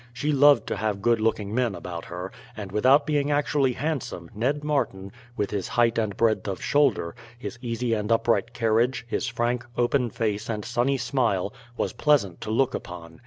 She loved to have good looking men about her; and without being actually handsome, Ned Martin, with his height and breadth of shoulder, his easy and upright carriage, his frank, open face and sunny smile, was pleasant to look upon.